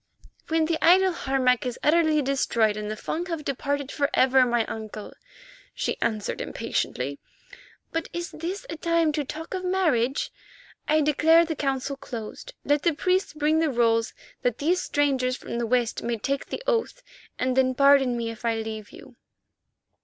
"When the idol Harmac is utterly destroyed, and the Fung have departed for ever, my uncle," she answered impatiently. "But is this a time to talk of marriage? I declare the Council closed. Let the priests bring the rolls that these strangers from the West may take the oath, and then pardon me if I leave you."